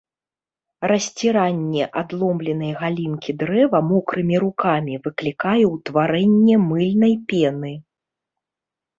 Расціранне адломленай галінкі дрэва мокрымі рукамі выклікае ўтварэнне мыльнай пены.